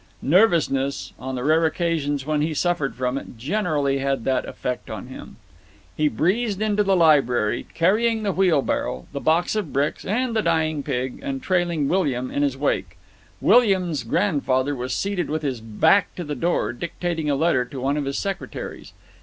Nervousness, on the rare occasions when he suffered from it, generally had that effect on him. He breezed into the library, carrying the wheelbarrow, the box of bricks, and the dying pig, and trailing William in his wake. William's grandfather was seated with his back to the door, dictating a letter to one of his secretaries.